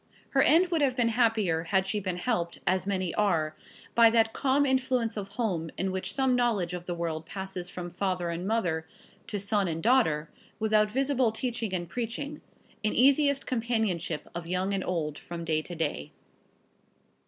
Her end would have been happier had she been helped, as many are, by that calm influence of home in which some knowledge of the world passes from father and mother to son and daughter, without visible teaching and preaching, in easiest companionship of young and old from day to day.